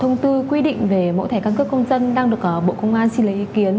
trong sự thảo thông tư quy định về mẫu thẻ căn cước công dân đang được bộ công an xin lấy ý kiến